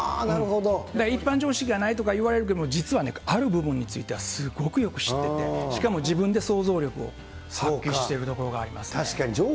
一般常識がないとか言われるけれども、実はある部分についてはすごくよく知ってて、しかも自分で想像力を発揮しているところがあ確かに。